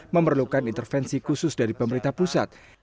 memerlukan intervensi khusus dari pemerintah pusat